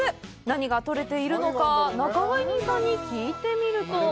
何が取れているのか、仲買人さんに聞いてみると。